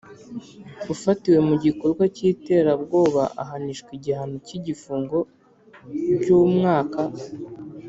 Ufatiwe mugikorwa cy iterabwoba ahanishwa igihano cy igifungo ry’umwaka